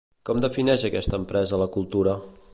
Com defineix aquesta empresa la cultura?